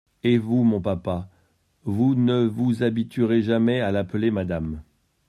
Et vous, mon papa, vous ne vous habituerez jamais à l’appeler madame !